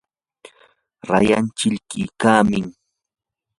rayan chilqikannami.